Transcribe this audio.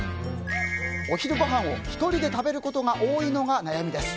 お昼ごはんを１人で食べることが多いのが悩みです。